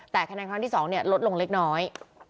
แต่คะแนนครั้งที่๒ลดลงเล็กน้อย